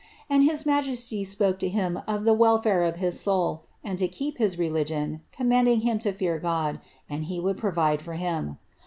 And his majesty spoke to him o welfare of his soul, and to keep his religion, commanding him to God, and he would provide for him.'